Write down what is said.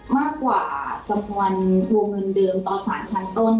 มากกว่าจำนวนทวงเงินเดิมต่อสารชั้นต้น